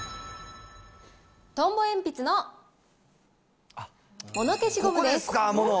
トンボ鉛筆のモノ消しゴムです。